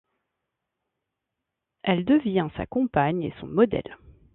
Elle devient sa compagne et son modèle.